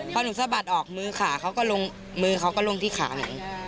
พอหนูสะบัดออกมือขาเขาก็ลงมือเขาก็ลงที่ขาหนู